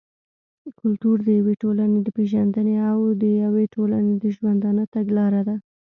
کلتور د يوې ټولني د پېژندني او د يوې ټولني د ژوندانه تګلاره ده.